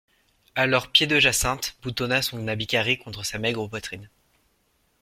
Alors Pied-de-Jacinthe boutonna son habit carré contre sa maigre poitrine.